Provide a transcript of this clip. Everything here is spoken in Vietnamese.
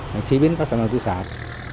để chế biến các sản phẩm thủy sán